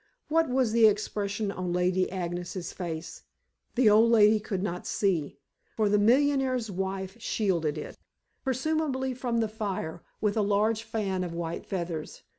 What was the expression on Lady Agnes's face, the old lady could not see, for the millionaire's wife shielded it presumably from the fire with a large fan of white feathers.